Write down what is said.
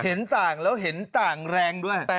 เห็นต่างแล้วเห็นต่างแรงด้วย